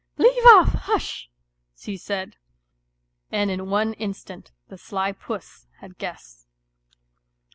" Leave off. Hush !" she said, and in one instant the sly puss had guessed.